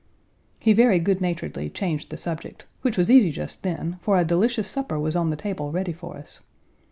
He very good naturedly changed the subject, which was easy just then, for a delicious supper was on the table ready for us.